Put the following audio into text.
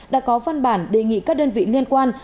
đã có văn bản đề nghị các đơn vị liên quan